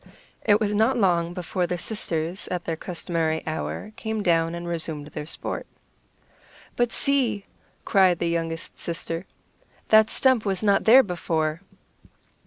It was not long before the sisters, at their customary hour, came down and resumed their sport. "But see," cried the youngest sister, "that stump was not there before."